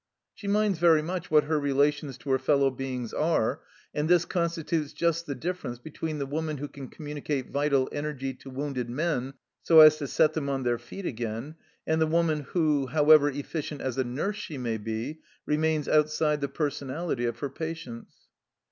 She minds very much what her relations to her fellow beings are, and this constitutes just the difference between the woman who can communi cate vital energy to wounded men so as to set them on their feet again and the woman who, however efficient as a nurse she may be, remains outside the personality of her patients.